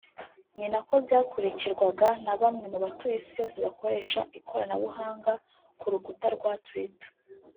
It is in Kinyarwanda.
ni nako byakurikirwaga na bamwe mu batuye isi yose bakoresha ikoranabuhanga ku rukuta rwa Twitter